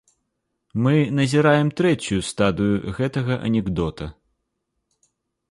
Мы назіраем трэцюю стадыю гэтага анекдота.